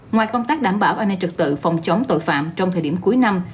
ngoài công tác đảm bảo ane trực tự phòng chống tội phạm trong thời điểm cuối năm